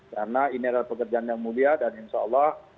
karena ini adalah pekerjaan yang mulia dan insya allah